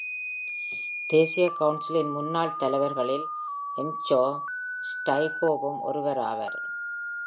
தேசிய கவுன்சிலின் முன்னாள் தலைவர்களில் என்ச்சோ ஸ்டைகோவும் ஒருவர் ஆவார்.